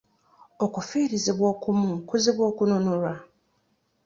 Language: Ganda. Okufiirizibwa okumu kuzibu okununulwa.